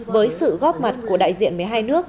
với sự góp mặt của đại diện một mươi hai nước